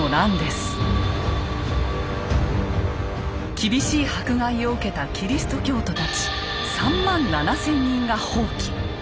厳しい迫害を受けたキリスト教徒たち３万７，０００人が蜂起。